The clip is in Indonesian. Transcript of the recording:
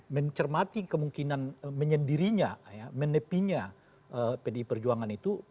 mencermati kemungkinan menyendirinya menepinya pdi perjuangan itu